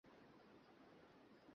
Jennifer, তুমি যেতে পারো।